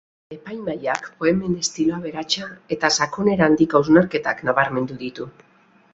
Epaimahaiak poemen estilo aberatsa eta sakonera handiko hausnarketak nabarmendu ditu.